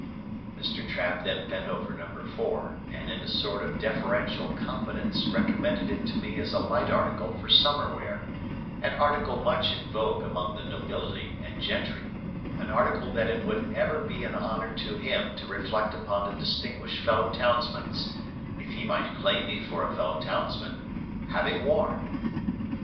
Mr. Trabb then bent over number four, and in a sort of deferential confidence recommended it to me as a light article for summer wear, an article much in vogue among the nobility and gentry, an article that it would ever be an honour to him to reflect upon a distinguished fellow townsman's (if he might claim me for a fellow townsman) having worn.